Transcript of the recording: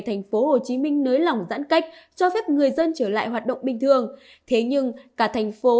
tp hcm nới lỏng giãn cách cho phép người dân trở lại hoạt động bình thường thế nhưng cả thành phố